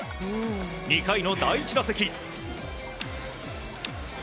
２回の第１打席。